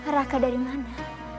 raka dari mana